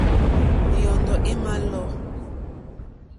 Yɔ́ndɔ̀ é mà lɔ̌.